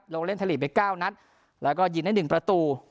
ลงเล่นไทยลีกไป๙นัดแล้วก็ยิงได้๑ประตู